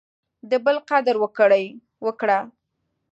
د بل قدر وکړه.